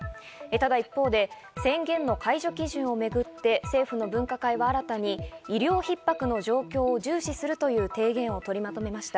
ただ、一方で宣言の解除基準をめぐって政府の分科会は新たに医療逼迫の状況を重視するという提言を取りまとめました。